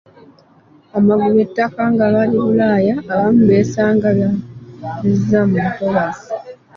Abagula ettaka nga bali bulaaya abamu beesanga babaguzizza mu ntobazi.